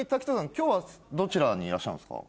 今日はどちらにいらっしゃるんですか？